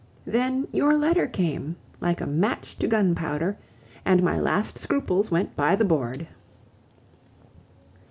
Then your letter came, like a match to gunpowder, and my last scruples went by the board.